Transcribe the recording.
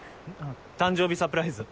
誕生日サプライズ。